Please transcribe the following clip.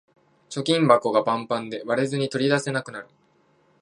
貯金箱がパンパンで割れずに取り出せなくなる